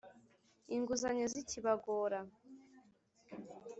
Inguzanyo zikibagora